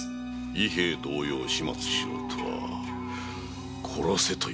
「伊兵衛同様始末しろ」とは“殺せ”ということ。